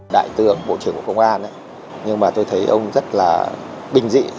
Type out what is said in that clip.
đại tướng bộ trưởng của công an nhưng mà tôi thấy ông rất là bình dị